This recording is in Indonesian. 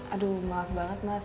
aduh maaf banget mas